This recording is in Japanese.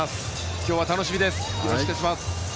今日は楽しみです。